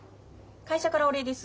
会社からお礼です。